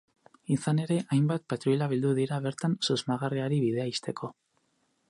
Izan ere, hainbat patruila bildu dira bertan, susmagarriari bidea ixteko.